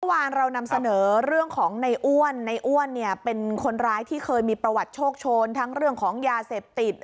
เรานำเสนอเรื่องของในอ้วนในอ้วนเนี่ยเป็นคนร้ายที่เคยมีประวัติโชคโชนทั้งเรื่องของยาเสพติด